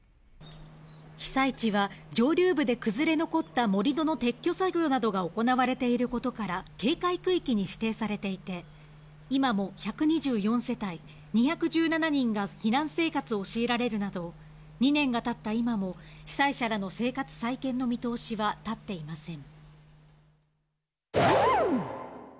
被災地は、上流部で崩れ残った盛り土の撤去作業などが行われていることから、警戒区域に指定されていて、今も１２４世帯２１７人が避難生活を強いられるなど、２年がたった今も、被災者らの生活再建の見通しは立っていません。